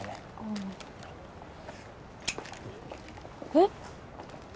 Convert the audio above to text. えっ？